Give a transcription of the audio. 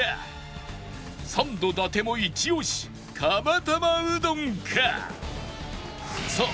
サンド伊達もイチオシ釜玉うどんか？